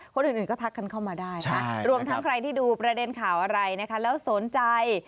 คนอื่นก็ทักกันเข้ามาได้นะรวมทั้งใครที่ดูประเด็นข่าวอะไรนะคะแล้วสนใจ